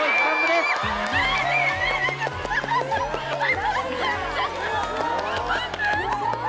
・すごい！